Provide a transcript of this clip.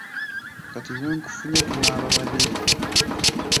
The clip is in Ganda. Kati lwe nkufunye tunaaba babiri.